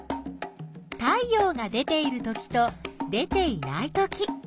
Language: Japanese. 太陽が出ているときと出ていないとき。